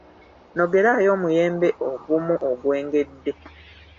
Nogerayo omuyembe ogumu ogwengedde.